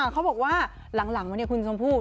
เขาบอกว่าหลังวันนี้คุณชมพู่